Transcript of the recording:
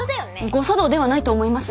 誤作動ではないと思います。